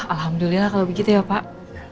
alhamdulillah kalau begitu ya pak